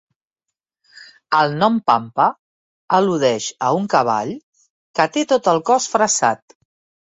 El nom Pampa al·ludeix a un cavall, que té tot el cos fressat.